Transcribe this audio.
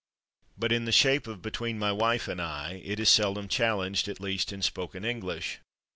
But in the shape of "between my wife and /I/" it is seldom challenged, at least in spoken English.